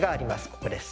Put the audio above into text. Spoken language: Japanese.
ここです。